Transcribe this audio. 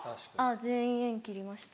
全員縁切りました。